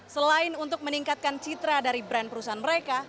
selain untuk meningkatkan citra dari brand perusahaan mereka